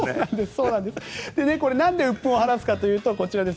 これ、なんでうっ憤を晴らすかというとこちらです。